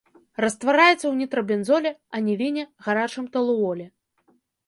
Раствараецца ў нітрабензоле, аніліне, гарачым талуоле.